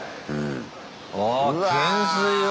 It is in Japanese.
ああ懸垂を。